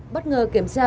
bất ngờ kiểm tra